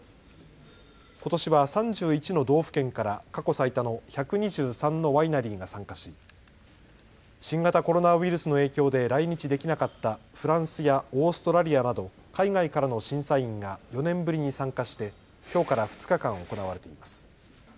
ことしは３１の道府県から過去最多の１２３のワイナリーが参加し新型コロナウイルスの影響で来日できなかったフランスやオーストラリアなど海外からの審査員が４年ぶりに参加してきょうから２日間行われています。